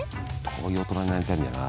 こういう大人になりたいんだよな